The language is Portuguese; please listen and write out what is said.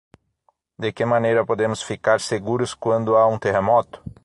De que maneira podemos ficar seguros quando há um terremoto?